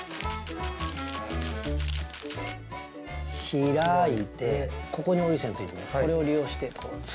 開いてここに折り線ついてるんでこれを利用して潰します。